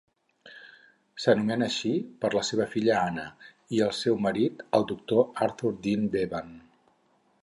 S'anomena així per la seva filla Anna i el seu marit, el doctor Arthur Dean Bevan.